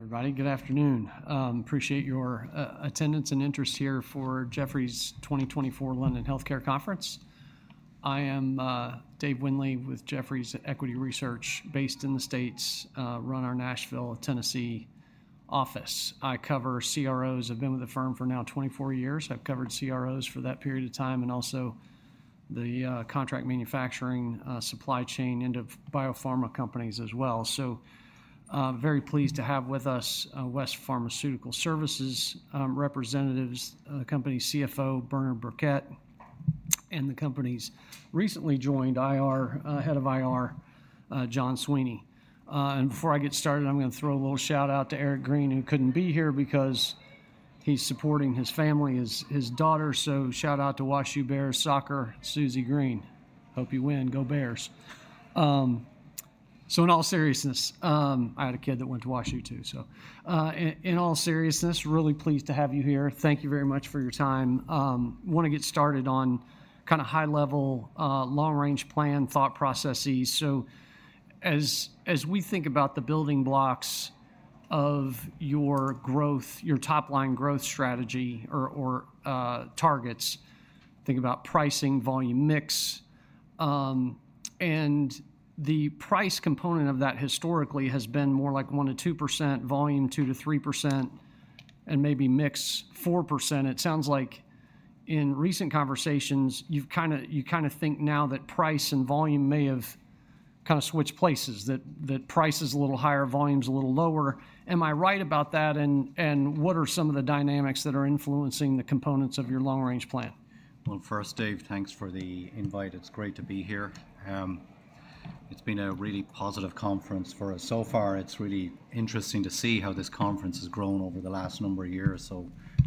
Everybody, good afternoon. Appreciate your attendance and interest here for Jefferies 2024 London Healthcare Conference. I am Dave Windley with Jefferies Equity Research, based in the States, run our Nashville, Tennessee office. I cover CROs. I've been with the firm for now 24 years. I've covered CROs for that period of time and also the contract manufacturing supply chain end of biopharma companies as well, so very pleased to have with us West Pharmaceutical Services representatives, company CFO Bernard Birkett, and the company's recently joined IR head of IR, John Sweeney, and before I get started, I'm gonna throw a little shout out to Eric Green, who couldn't be here because he's supporting his family, his daughter, so shout out to Wash U Bears soccer, Susie Green. Hope you win. Go Bears, so in all seriousness, I had a kid that went to Wash U too. So, in all seriousness, really pleased to have you here. Thank you very much for your time. Wanna get started on kinda high level, long range plan, thought processes. So as we think about the building blocks of your growth, your top line growth strategy or targets, think about pricing, volume mix, and the price component of that historically has been more like 1%-2% volume, 2%-3%, and maybe mix 4%. It sounds like in recent conversations, you've kinda think now that price and volume may have kinda switched places, that price is a little higher, volume's a little lower. Am I right about that? And what are some of the dynamics that are influencing the components of your long range plan? Well, first, Dave, thanks for the invite. It's great to be here. It's been a really positive conference for us so far. It's really interesting to see how this conference has grown over the last number of years.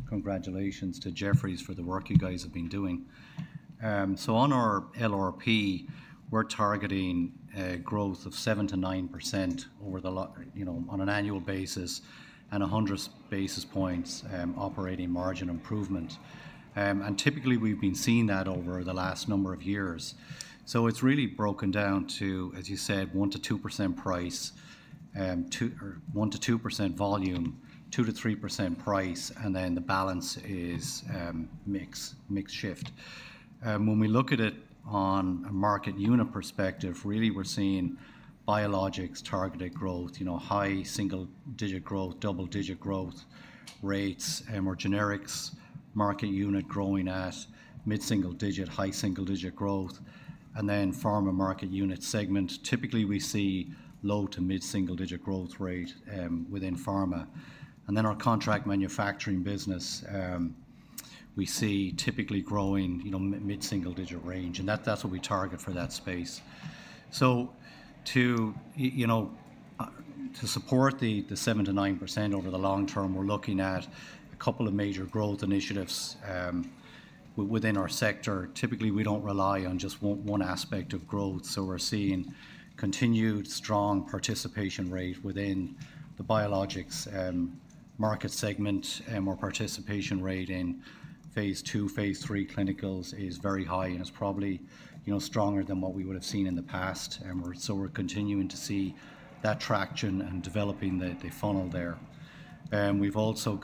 Congratulations to Jefferies for the work you guys have been doing. On our LRP, we're targeting a growth of 7%-9% over the long haul, you know, on an annual basis and 100 basis points operating margin improvement. Typically we've been seeing that over the last number of years. It's really broken down to, as you said, 1%-2% price, 2% or 1%-2% volume, 2%-3% price, and then the balance is mix, mix shift. When we look at it on a market unit perspective, really we're seeing biologics targeted growth, you know, high single-digit growth, double-digit growth rates, or generics market unit growing at mid-single-digit, high single-digit growth. Then pharma market unit segment, typically we see low- to mid-single-digit growth rate, within pharma. Then our contract manufacturing business, we see typically growing, you know, mid-single-digit range. And that, that's what we target for that space. So to, you know, to support the, the 7%-9% over the long term, we're looking at a couple of major growth initiatives, within our sector. Typically we don't rely on just one aspect of growth. So we're seeing continued strong participation rate within the biologics market segment, or participation rate in phase two, phase three clinicals is very high and it's probably, you know, stronger than what we would've seen in the past. So we're continuing to see that traction and developing the funnel there. We've also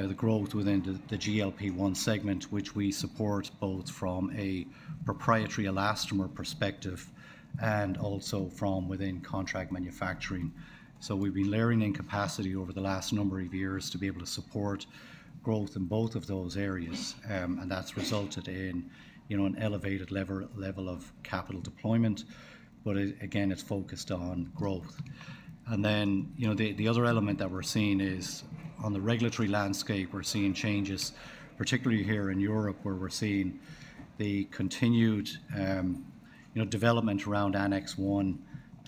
got the growth within the GLP-1 segment, which we support both from a proprietary elastomer perspective and also from within contract manufacturing. So we've been layering in capacity over the last number of years to be able to support growth in both of those areas, and that's resulted in, you know, an elevated level of capital deployment. But it again, it's focused on growth. And then, you know, the other element that we're seeing is on the regulatory landscape. We're seeing changes, particularly here in Europe where we're seeing the continued, you know, development around Annex 1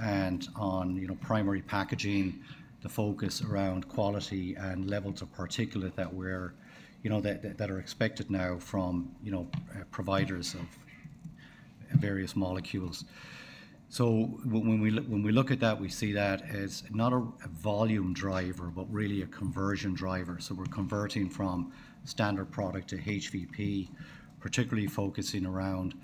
and on, you know, primary packaging, the focus around quality and levels of particulate that we're, you know, that are expected now from, you know, providers of various molecules. So when we look at that, we see that as not a volume driver, but really a conversion driver. So we're converting from standard product to HVP, particularly focusing around,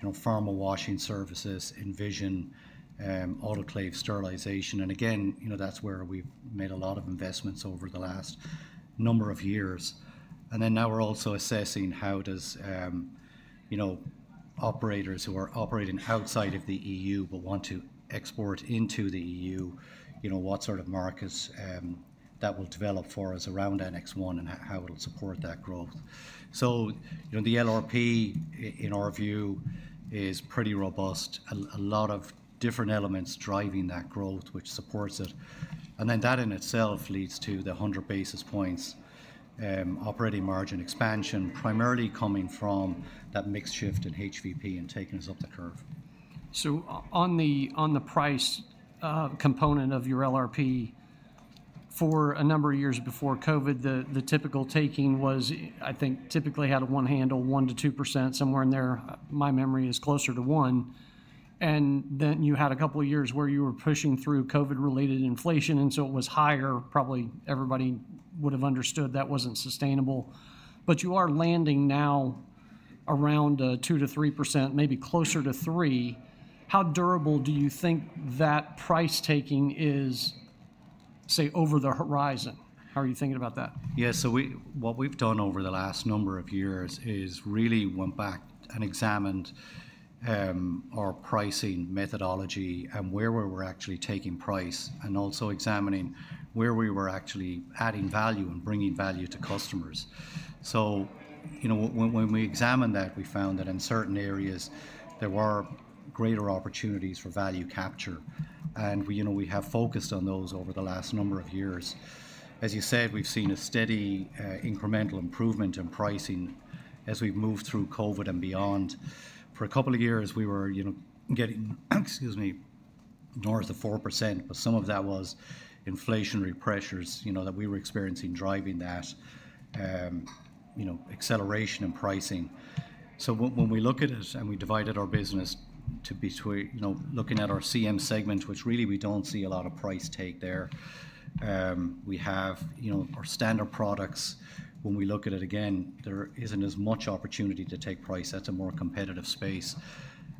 you know, pharma washing services, Envision, autoclave sterilization. And again, you know, that's where we've made a lot of investments over the last number of years. And then now we're also assessing how does, you know, operators who are operating outside of the EU but want to export into the EU, you know, what sort of markets that will develop for us around Annex 1 and how it'll support that growth. So, you know, the LRP in our view is pretty robust. A lot of different elements driving that growth, which supports it. And then that in itself leads to the hundred basis points operating margin expansion primarily coming from that mix shift in HVP and taking us up the curve. So on the price component of your LRP for a number of years before COVID, the typical taking was, I think, typically a one handle, 1%-2% somewhere in there. My memory is closer to 1%. And then you had a couple of years where you were pushing through COVID-related inflation. And so it was higher. Probably everybody would've understood that wasn't sustainable. But you are landing now around 2%-3%, maybe closer to 3%. How durable do you think that price taking is, say, over the horizon? How are you thinking about that? Yeah. So we, what we've done over the last number of years is really went back and examined our pricing methodology and where we were actually taking price and also examining where we were actually adding value and bringing value to customers. So, you know, when we examined that, we found that in certain areas there were greater opportunities for value capture. And we, you know, we have focused on those over the last number of years. As you said, we've seen a steady, incremental improvement in pricing as we've moved through COVID and beyond. For a couple of years, we were, you know, getting, excuse me, north of 4%, but some of that was inflationary pressures, you know, that we were experiencing driving that, you know, acceleration in pricing. So when we look at it and we divided our business to between, you know, looking at our CM segment, which really we don't see a lot of price take there. We have, you know, our standard products. When we look at it again, there isn't as much opportunity to take price. That's a more competitive space.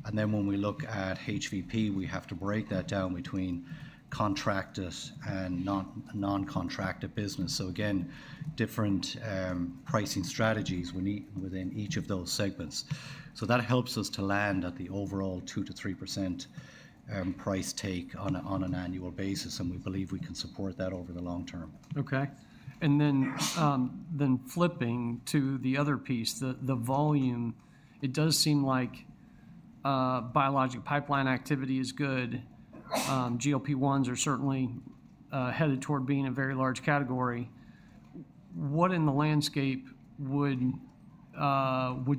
And then when we look at HVP, we have to break that down between contracted and non-contracted business. So again, different pricing strategies within each of those segments. So that helps us to land at the overall 2%-3% price take on a, on an annual basis. And we believe we can support that over the long term. Okay. And then flipping to the other piece, the volume, it does seem like biologics pipeline activity is good. GLP-1s are certainly headed toward being a very large category. What in the landscape would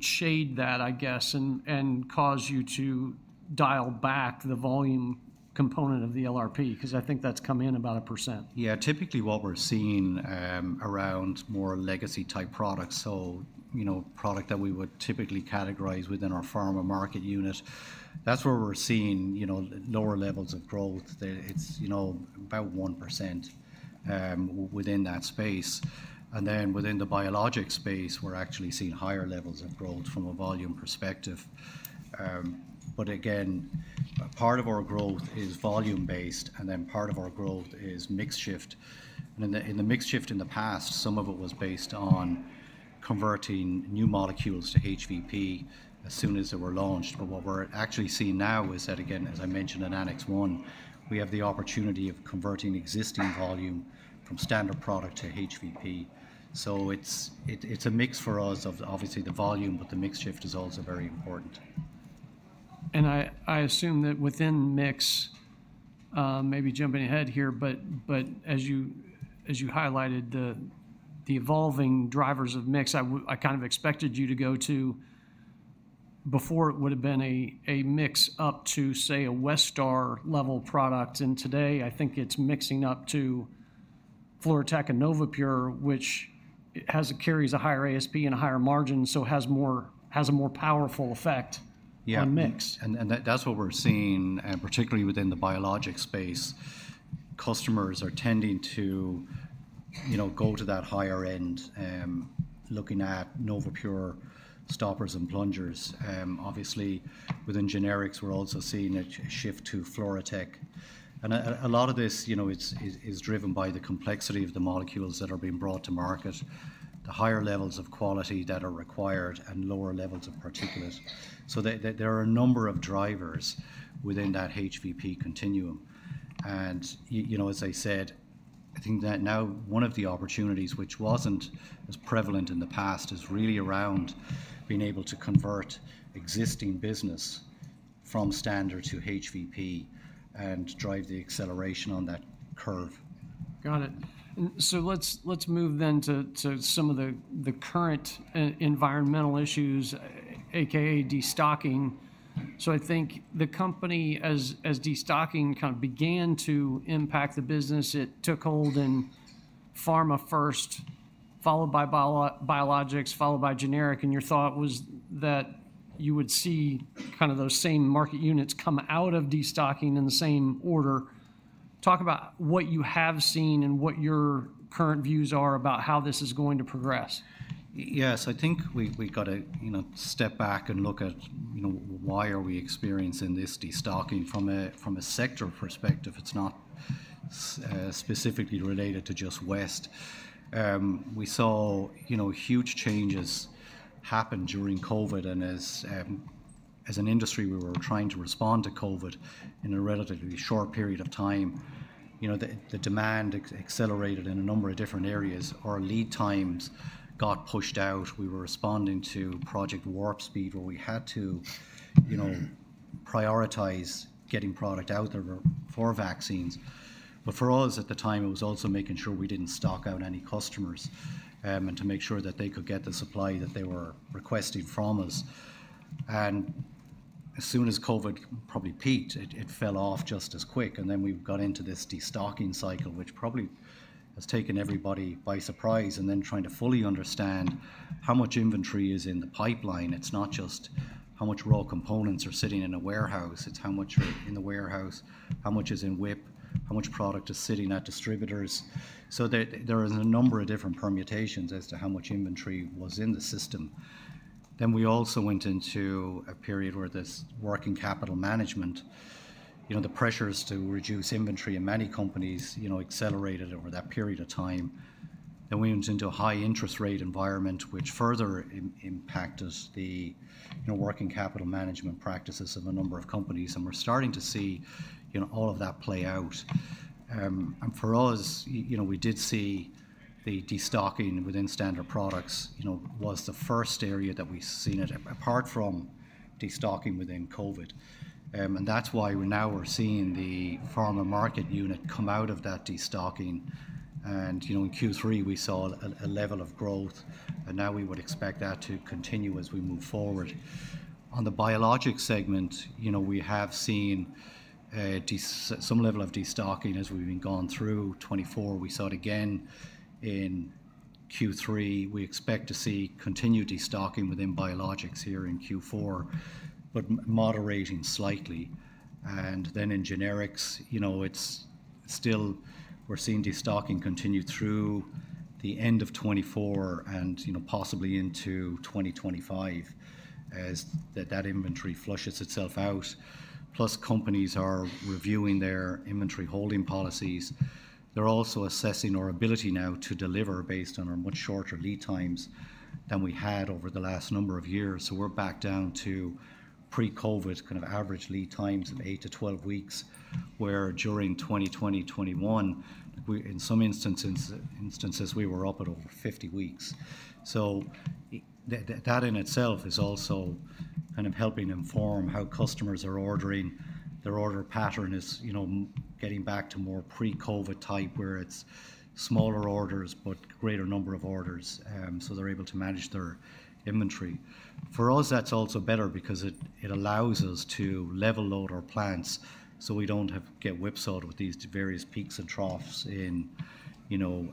shade that, I guess, and cause you to dial back the volume component of the LRP? 'Cause I think that's come in about 1%. Yeah. Typically what we're seeing around more legacy type products. So, you know, product that we would typically categorize within our pharma market unit, that's where we're seeing, you know, lower levels of growth. There, it's, you know, about 1%, within that space. And then within the biologic space, we're actually seeing higher levels of growth from a volume perspective. But again, part of our growth is volume based and then part of our growth is mix shift. And in the mix shift in the past, some of it was based on converting new molecules to HVP as soon as they were launched. But what we're actually seeing now is that, again, as I mentioned in Annex 1, we have the opportunity of converting existing volume from standard product to HVP. It's a mix for us of obviously the volume, but the mix shift is also very important. I assume that within mix, maybe jumping ahead here, but as you highlighted the evolving drivers of mix, I kind of expected you to go to before it would've been a mix up to say a Westar level product. Today I think it's mixing up to FluroTec and NovaPure, which carries a higher ASP and a higher margin, so has a more powerful effect. Yeah. On mix. That's what we're seeing. Particularly within the biologics space, customers are tending to, you know, go to that higher end, looking at NovaPure stoppers and plungers. Obviously within generics, we're also seeing a shift to FluroTec. And a lot of this, you know, is driven by the complexity of the molecules that are being brought to market, the higher levels of quality that are required and lower levels of particulate. So there are a number of drivers within that HVP continuum. And you know, as I said, I think that now one of the opportunities, which wasn't as prevalent in the past, is really around being able to convert existing business from standard to HVP and drive the acceleration on that curve. Got it, and so let's move then to some of the current environmental issues, aka destocking, so I think the company, as destocking kind of began to impact the business, it took hold in pharma first, followed by biologics, followed by generic, and your thought was that you would see kind of those same market units come out of destocking in the same order. Talk about what you have seen and what your current views are about how this is going to progress. Yes. I think we, we gotta step back and look at, you know, why are we experiencing this destocking from a, from a sector perspective? It's not specifically related to just West. We saw, you know, huge changes happen during COVID. And as, as an industry, we were trying to respond to COVID in a relatively short period of time. You know, the, the demand accelerated in a number of different areas. Our lead times got pushed out. We were responding to Project Warp Speed where we had to, you know, prioritize getting product out there for vaccines. But for us at the time, it was also making sure we didn't stock out any customers, and to make sure that they could get the supply that they were requesting from us. And as soon as COVID probably peaked, it, it fell off just as quick. And then we've got into this destocking cycle, which probably has taken everybody by surprise. Then trying to fully understand how much inventory is in the pipeline. It's not just how much raw components are sitting in a warehouse. It's how much in the warehouse, how much is in WIP, how much product is sitting at distributors. So there is a number of different permutations as to how much inventory was in the system. Then we also went into a period where this working capital management, you know, the pressures to reduce inventory in many companies, you know, accelerated over that period of time. Then we went into a high interest rate environment, which further impacted the, you know, working capital management practices of a number of companies. And we're starting to see, you know, all of that play out. And for us, you know, we did see the destocking within standard products, you know, was the first area that we've seen it apart from destocking within COVID. And that's why we now are seeing the pharma market unit come out of that destocking. And, you know, in Q3 we saw a level of growth. And now we would expect that to continue as we move forward. On the biologic segment, you know, we have seen some level of destocking as we've gone through 2024. We saw it again in Q3. We expect to see continued destocking within biologics here in Q4, but moderating slightly. And then in generics, you know, it's still, we're seeing destocking continue through the end of 2024 and, you know, possibly into 2025 as that inventory flushes itself out. Plus companies are reviewing their inventory holding policies. They're also assessing our ability now to deliver based on our much shorter lead times than we had over the last number of years. So we're back down to pre-COVID kind of average lead times of eight to 12 weeks, where during 2020, 2021, like we, in some instances, we were up at over 50 weeks. So that in itself is also kind of helping inform how customers are ordering. Their order pattern is, you know, getting back to more pre-COVID type where it's smaller orders, but greater number of orders. So they're able to manage their inventory. For us, that's also better because it allows us to level load our plants. So we don't have to get whipsawed with these various peaks and troughs in, you know,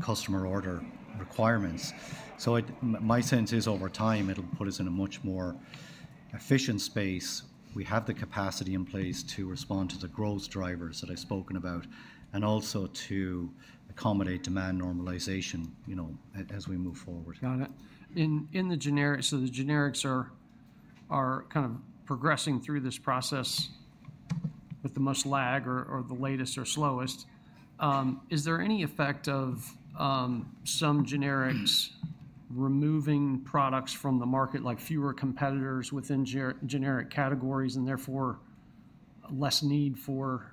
customer order requirements. So, my sense is over time it'll put us in a much more efficient space. We have the capacity in place to respond to the growth drivers that I've spoken about and also to accommodate demand normalization, you know, as we move forward. Got it. In the generic, so the generics are kind of progressing through this process with the most lag or the latest or slowest. Is there any effect of some generics removing products from the market, like fewer competitors within generic categories and therefore less need for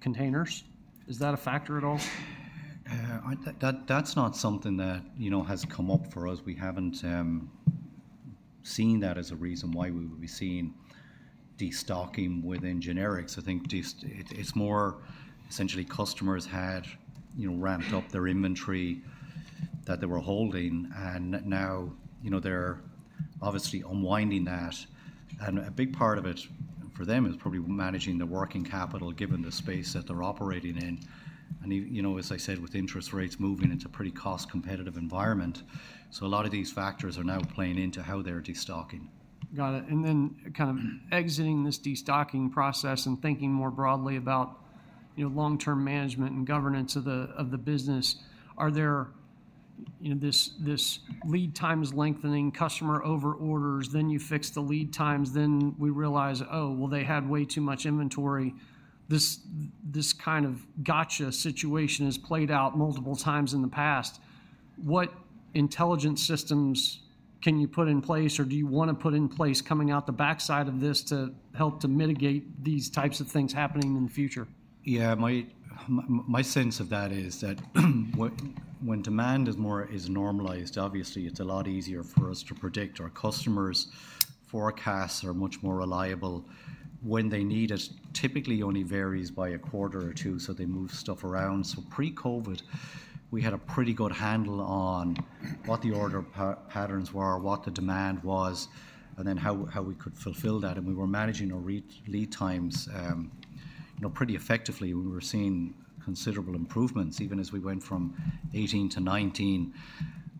containers? Is that a factor at all? That's not something that, you know, has come up for us. We haven't seen that as a reason why we would be seeing destocking within generics. I think it's more essentially customers had, you know, ramped up their inventory that they were holding. And now, you know, they're obviously unwinding that. And a big part of it for them is probably managing the working capital given the space that they're operating in. And even, you know, as I said, with interest rates moving into a pretty cost competitive environment. So a lot of these factors are now playing into how they're destocking. Got it. And then kind of exiting this destocking process and thinking more broadly about, you know, long-term management and governance of the, of the business, are there, you know, this, this lead times lengthening, customer over orders, then you fix the lead times, then we realize, oh, well they had way too much inventory. This, this kind of gotcha situation has played out multiple times in the past. What intelligence systems can you put in place or do you wanna put in place coming out the backside of this to help to mitigate these types of things happening in the future? Yeah. My sense of that is that when demand is more normalized, obviously it's a lot easier for us to predict. Our customers' forecasts are much more reliable when they need it. Typically only varies by a quarter or two. So they move stuff around. So pre-COVID we had a pretty good handle on what the order patterns were, what the demand was, and then how we could fulfill that. And we were managing our lead times, you know, pretty effectively. We were seeing considerable improvements even as we went from 2018 to 2019.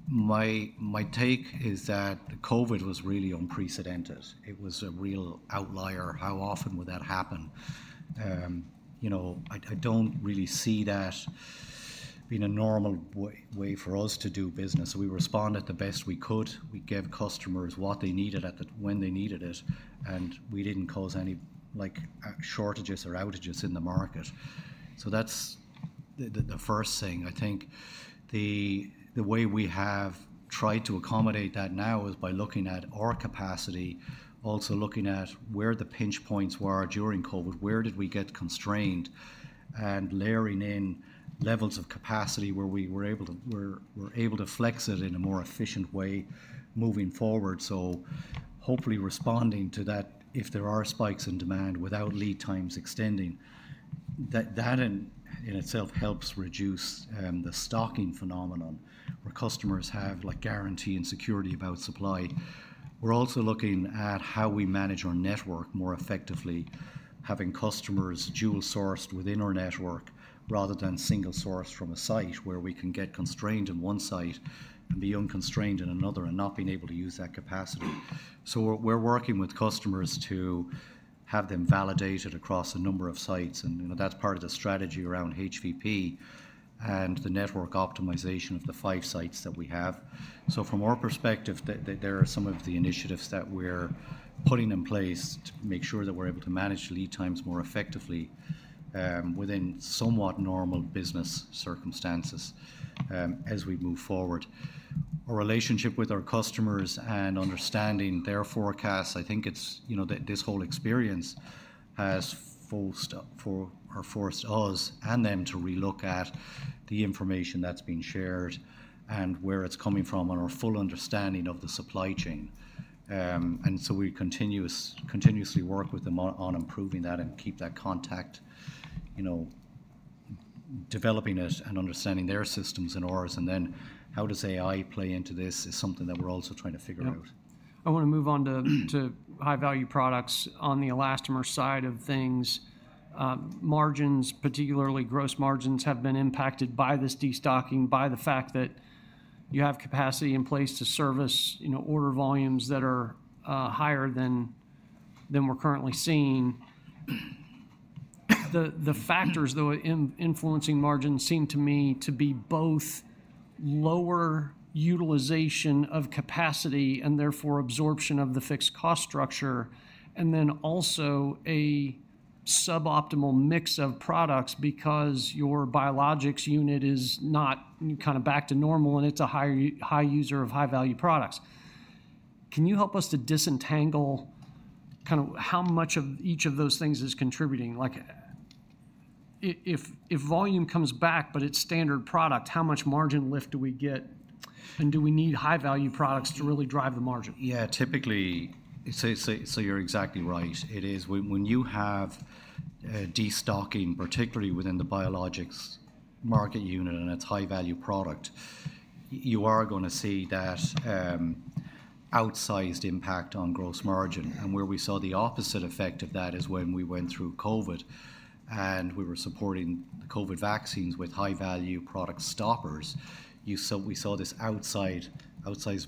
My take is that COVID was really unprecedented. It was a real outlier. How often would that happen? You know, I don't really see that being a normal way for us to do business. We responded the best we could. We gave customers what they needed at the, when they needed it. And we didn't cause any, like, shortages or outages in the market. So that's the first thing. I think the way we have tried to accommodate that now is by looking at our capacity, also looking at where the pinch points were during COVID, where did we get constrained and layering in levels of capacity where we were able to flex it in a more efficient way moving forward. So hopefully responding to that, if there are spikes in demand without lead times extending, that in itself helps reduce the stocking phenomenon where customers have like guarantee and security about supply. We're also looking at how we manage our network more effectively, having customers dual sourced within our network rather than single sourced from a site where we can get constrained in one site and be unconstrained in another and not being able to use that capacity. So we're working with customers to have them validated across a number of sites. And, you know, that's part of the strategy around HVP and the network optimization of the five sites that we have. So from our perspective, there are some of the initiatives that we're putting in place to make sure that we're able to manage lead times more effectively, within somewhat normal business circumstances, as we move forward. Our relationship with our customers and understanding their forecasts, I think it's, you know, this whole experience has forced us and them to relook at the information that's being shared and where it's coming from and our full understanding of the supply chain. And so we continuously work with them on improving that and keep that contact, you know, developing it and understanding their systems and ours. Then how does AI play into this is something that we're also trying to figure out. I wanna move on to high value products on the elastomer side of things. Margins, particularly gross margins have been impacted by this destocking, by the fact that you have capacity in place to service, you know, order volumes that are higher than we're currently seeing. The factors that were impacting margins seem to me to be both lower utilization of capacity and therefore absorption of the fixed cost structure, and then also a suboptimal mix of products because your biologics unit is not kind of back to normal and it's a high user of high value products. Can you help us to disentangle kind of how much of each of those things is contributing? Like if volume comes back, but it's standard product, how much margin lift do we get? And do we need high value products to really drive the margin? Yeah. Typically, so you're exactly right. It is when you have destocking, particularly within the biologics market unit and its high-value product, you are gonna see that outsized impact on gross margin. And where we saw the opposite effect of that is when we went through COVID and we were supporting the COVID vaccines with high-value product stoppers. You saw, we saw this outsized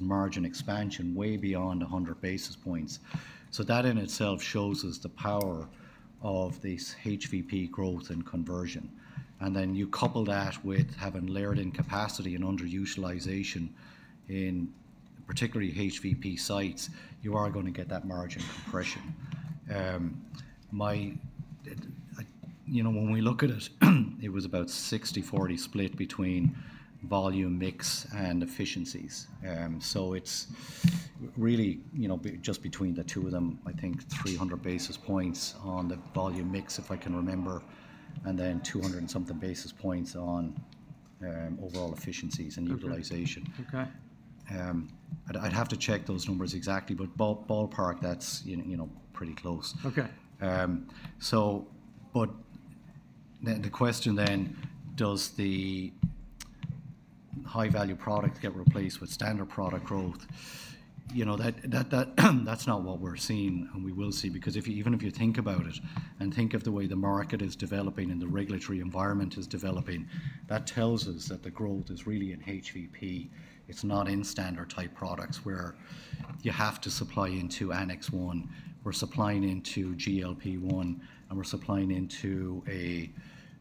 margin expansion way beyond 100 basis points. So that in itself shows us the power of this HVP growth and conversion. And then you couple that with having layered in capacity and underutilization in particularly HVP sites, you are gonna get that margin compression. You know, when we look at it, it was about 60-40 split between volume mix and efficiencies. So it's really, you know, just between the two of them, I think 300 basis points on the volume mix, if I can remember, and then 200 basis points and something basis points on overall efficiencies and utilization. Okay. I'd have to check those numbers exactly, but ballpark, that's, you know, pretty close. Okay. But then the question then, does the high value product get replaced with standard product growth? You know, that, that's not what we're seeing and we will see, because if you even if you think about it and think of the way the market is developing and the regulatory environment is developing, that tells us that the growth is really in HVP. It's not in standard type products where you have to supply into Annex 1. We're supplying into GLP-1, and we're supplying into a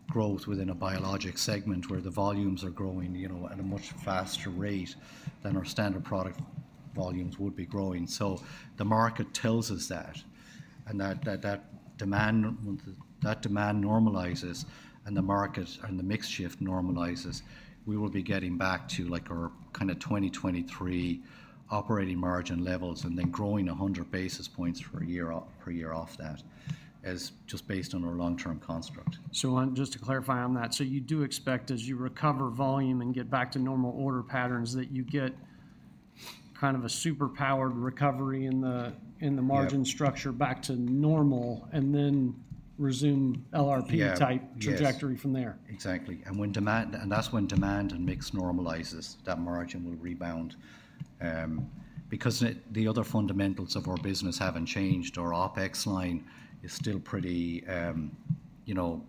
growth within a biologics segment where the volumes are growing, you know, at a much faster rate than our standard product volumes would be growing. So the market tells us that demand normalizes and the market and the mix shift normalizes. We will be getting back to like our kind of 2023 operating margin levels and then growing a hundred basis points per year off that as just based on our long-term construct. On just to clarify on that, so you do expect as you recover volume and get back to normal order patterns that you get kind of a superpowered recovery in the margin structure back to normal and then resume LRP type trajectory from there? Yeah. Exactly. And when demand, and that's when demand and mix normalizes, that margin will rebound. Because the other fundamentals of our business haven't changed. Our OpEx line is still pretty, you know,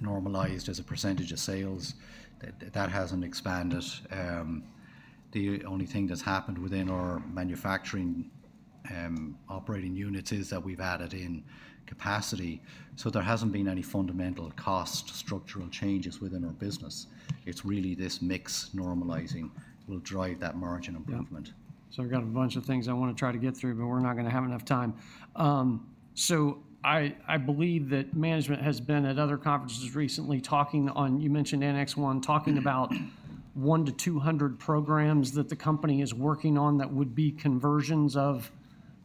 normalized as a percentage of sales. That, that hasn't expanded. The only thing that's happened within our manufacturing, operating unit is that we've added in capacity. So there hasn't been any fundamental cost structural changes within our business. It's really this mix normalizing will drive that margin improvement. Yeah. So I've got a bunch of things I wanna try to get through, but we're not gonna have enough time. So I, I believe that management has been at other conferences recently talking on, you mentioned Annex 1, talking about one to 200 programs that the company is working on that would be conversions of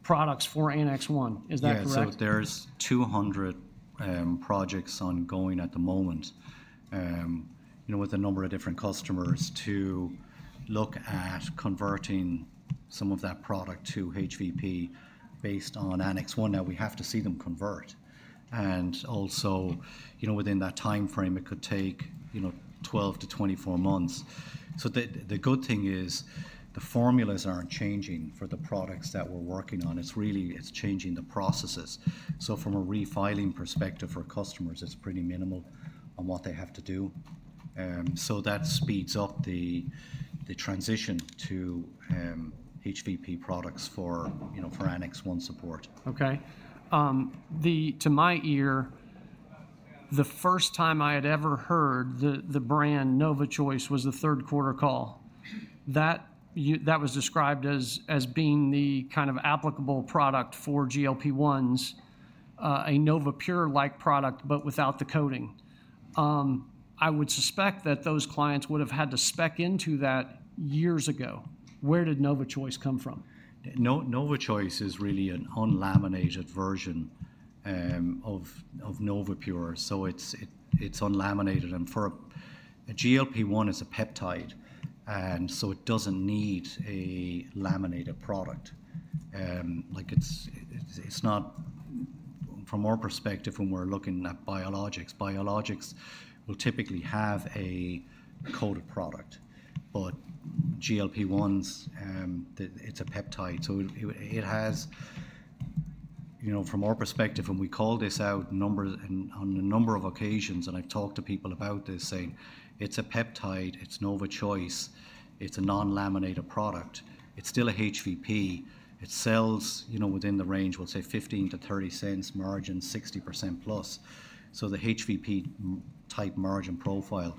products for Annex 1. Is that correct? Yeah. So there's 200 projects ongoing at the moment, you know, with a number of different customers to look at converting some of that product to HVP based on Annex 1 that we have to see them convert. And also, you know, within that timeframe, it could take, you know, 12-24 months. So the good thing is the formulas aren't changing for the products that we're working on. It's really changing the processes. So from a refiling perspective for customers, it's pretty minimal on what they have to do, so that speeds up the transition to HVP products for, you know, for Annex 1 support. Okay. To my ear, the first time I had ever heard the brand NovaChoice was the third quarter call, that was described as being the kind of applicable product for GLP-1s, a NovaPure-like product, but without the coating. I would suspect that those clients would've had to spec into that years ago. Where did NovaChoice come from? No, NovaChoice is really an unlaminated version of NovaPure. So it's unlaminated. And a GLP-1 is a peptide. And so it doesn't need a laminated product. Like it's not, from our perspective, when we're looking at biologics, biologics will typically have a coated product, but GLP-1s, it's a peptide. So it has, you know, from our perspective, and we call this out on a number of occasions, and I've talked to people about this saying it's a peptide, it's NovaChoice, it's a non-laminated product. It's still a HVP. It sells, you know, within the range, we'll say 15 cents-30 cents margin, 60%+. So the HVP type margin profile,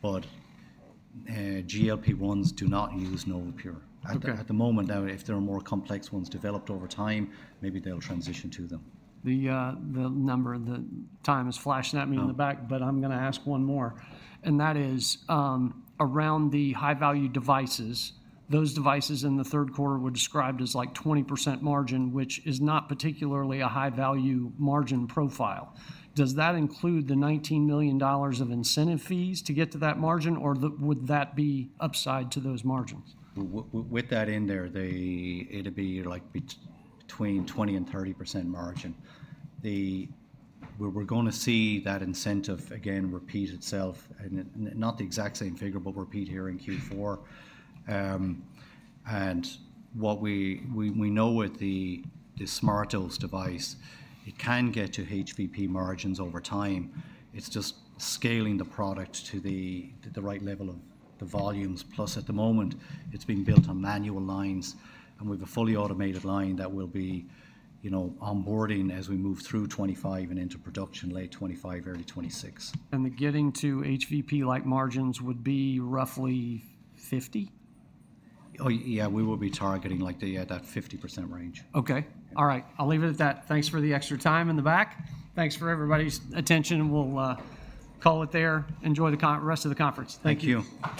but GLP-1s do not use NovaPure. Okay. At the moment, if there are more complex ones developed over time, maybe they'll transition to them. The time is flashing at me in the back, but I'm gonna ask one more. That is, around the high value devices, those devices in the third quarter were described as like 20% margin, which is not particularly a high value margin profile. Does that include the $19 million of incentive fees to get to that margin or would that be upside to those margins? With that in there, they'd be like between 20%-30% margin. We're gonna see that incentive again repeat itself and not the exact same figure, but repeat here in Q4, and what we know with the SmartDose device, it can get to HVP margins over time. It's just scaling the product to the right level of the volumes. Plus at the moment, it's being built on manual lines and we have a fully automated line that will be, you know, onboarding as we move through 2025 and into production, late 2025, early 2026. The getting to HVP like margins would be roughly 50%? Oh, yeah. We will be targeting like that 50% range. Okay. All right. I'll leave it at that. Thanks for the extra time in the back. Thanks for everybody's attention. We'll call it there. Enjoy the rest of the conference. Thank you. Thank you.